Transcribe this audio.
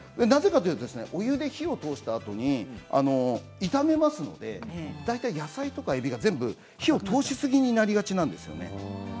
なぜかというとお湯で火を通したあとに炒めますので大体、野菜とか、えびが火を通しすぎになりがちなんですよね。